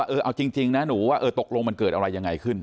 เออเอาจริงนะหนูว่าเออตกลงมันเกิดอะไรยังไงขึ้น